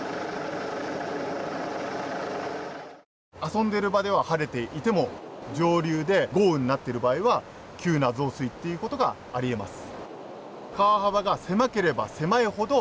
遊んでる場では晴れていても上流で豪雨になっている場合は急な増水ということがありえます。